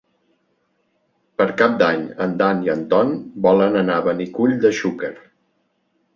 Per Cap d'Any en Dan i en Ton volen anar a Benicull de Xúquer.